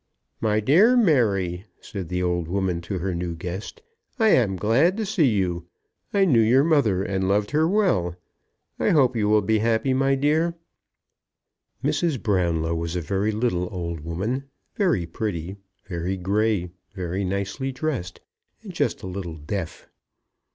"My dear Mary," said the old woman to her new guest, "I am glad to see you. I knew your mother and loved her well. I hope you will be happy, my dear." Mrs. Brownlow was a very little old woman, very pretty, very grey, very nicely dressed, and just a little deaf.